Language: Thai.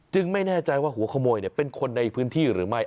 ไม่แน่ใจว่าหัวขโมยเป็นคนในพื้นที่หรือไม่